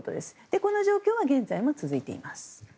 この状況は現在も続いています。